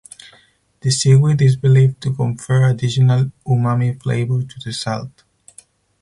The seaweed is believed to confer additional umami flavor to the salt.